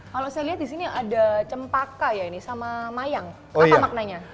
kalau saya lihat di sini ada cempaka ya ini sama mayang apa maknanya